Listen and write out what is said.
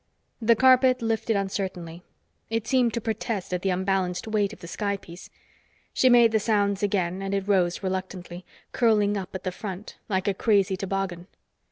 The carpet lifted uncertainly. It seemed to protest at the unbalanced weight of the sky piece. She made the sounds again, and it rose reluctantly, curling up at the front, like a crazy toboggan.